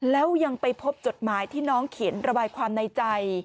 แล้วยังไปพบจดหมายที่น้องเขียนระบายความในใจ